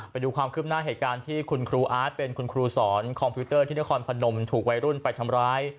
ไปดูความคืบหน้าเหตุการณ์ที่คุณครูอาร์ตเป็นคุณครูสอนคอมพิวเตอร์ที่นครพนมถูกวัยรุ่นไปทำร้าย